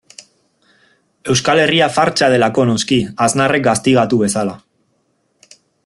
Euskal Herria fartsa delako, noski, Aznarrek gaztigatu bezala.